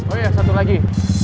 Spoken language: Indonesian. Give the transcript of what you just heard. oh iya satu lagi